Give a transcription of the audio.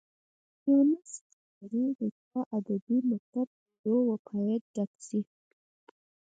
یونس خیبري د چا ادبي مکتب پيرو و باید ډک شي.